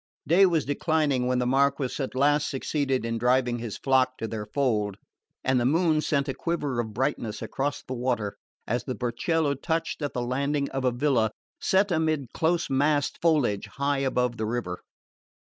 Day was declining when the Marquess at last succeeded in driving his flock to their fold, and the moon sent a quiver of brightness across the water as the burchiello touched at the landing of a villa set amid close massed foliage high above the river.